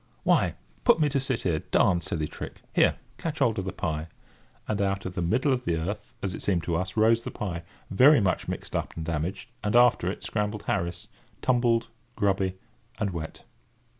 "Why, put me to sit here—darn silly trick! Here, catch hold of the pie." [Picture: Rescuing the pie] And out of the middle of the earth, as it seemed to us, rose the pie—very much mixed up and damaged; and, after it, scrambled Harris—tumbled, grubby, and wet.